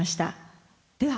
では